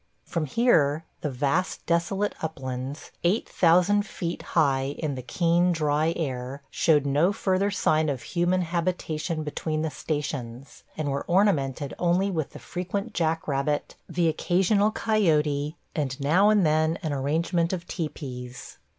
From here the vast, desolate uplands, 8000 feet high in the keen dry air, showed no further sign of human habitation between the stations, and were ornamented only with the frequent jack rabbit, the occasional coyote, and now and then an arrangement of tepees.